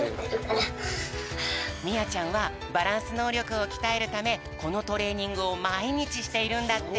みあちゃんはバランスのうりょくをきたえるためこのトレーニングをまいにちしているんだって。